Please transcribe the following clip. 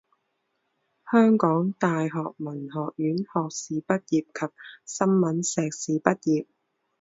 香港大学文学院学士毕业及新闻硕士毕业。